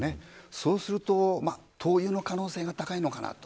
そうすると灯油の可能性が高いのかなと。